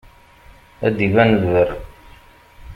Ad d-iban lberr.